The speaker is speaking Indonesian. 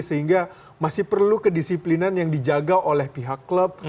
sehingga masih perlu kedisiplinan yang dijaga oleh pihak klub